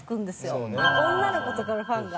女の子とかのファンが。